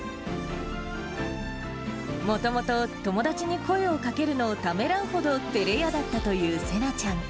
もともと、友達に声をかけるのをためらうほど照れ屋だったというせなちゃん。